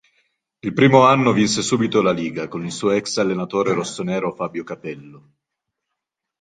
Il primo anno vinse subito la Liga con il suo ex-allenatore rossonero Fabio Capello.